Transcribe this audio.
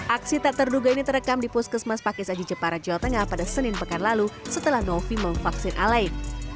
aksi tak terduga ini terekam di puskesmas pakis aji jepara jawa tengah pada senin pekan lalu setelah novi memvaksin alain